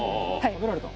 食べられた？